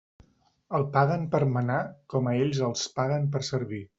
El paguen per manar, com a ells els paguen per servir.